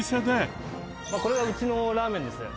これがうちのラーメンです。